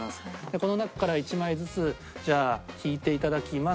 この中から１枚ずつじゃあ引いていただきます。